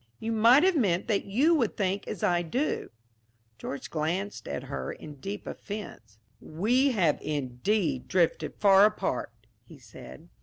"You might have meant that you would think as I do." George glanced at her in deep offense. "We have indeed drifted far apart," he said.